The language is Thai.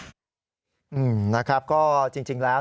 ท่านก็ให้เกียรติผมท่านก็ให้เกียรติผม